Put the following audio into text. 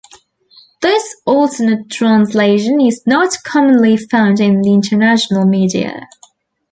This alternate translation is not commonly found in the international media.